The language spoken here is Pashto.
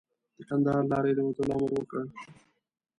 د کندهار له لارې یې د وتلو امر وکړ.